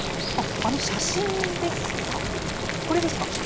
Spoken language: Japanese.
あの写真ですか？